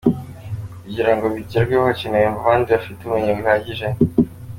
Kugira ngo bigerweho hakenewe abantu bafite ubumenyi buhagije.